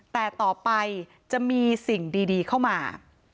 แต่ต่อไปจะมีสิ่งดีเข้ามา